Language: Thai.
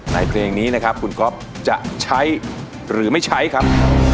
เพลงนี้นะครับคุณก๊อฟจะใช้หรือไม่ใช้ครับ